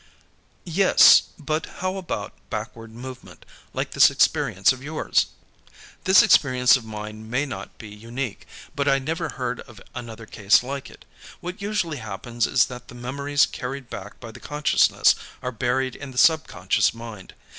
"Yes. But how about backward movement, like this experience of yours?" "This experience of mine may not be unique, but I never heard of another case like it. What usually happens is that the memories carried back by the consciousness are buried in the subconscious mind.